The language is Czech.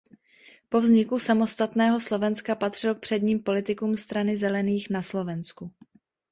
Po vzniku samostatného Slovenska patřil k předním politikům Strany zelených na Slovensku.